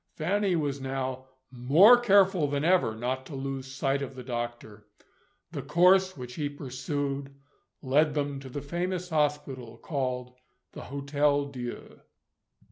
Fanny was now more careful than ever not to lose sight of the doctor. The course which he pursued led them to the famous hospital called the Hotel Dieu.